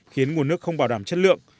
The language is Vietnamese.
khiến nguồn nước không bảo đảm chất lượng